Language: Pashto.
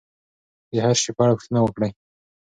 د هر سي په اړه پوښتنه وکړئ.